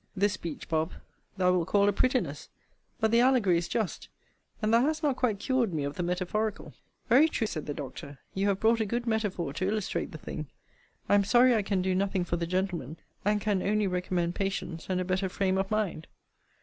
This speech, Bob., thou wilt call a prettiness; but the allegory is just; and thou hast not quite cured me of the metaphorical. Very true, said the doctor; you have brought a good metaphor to illustrate the thing. I am sorry I can do nothing for the gentleman; and can only recommend patience, and a better frame of mind.